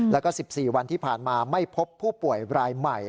แล้วก็๑๔วันที่ผ่านมาไม่พบผู้ป่วยรายใหม่